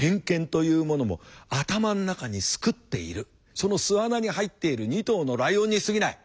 その巣穴に入っている２頭のライオンにすぎない。